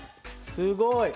すごい。